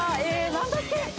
何だっけ・